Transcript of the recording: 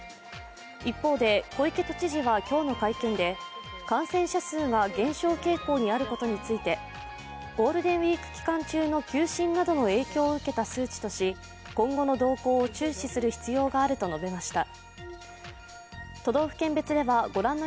一方で小池都知事は今日の会見で、感染者数が減少傾向にあることについてゴールデンウイーク期間中の休診などの影響を受けた数値とし今後の動向を注視する必要があると述べました。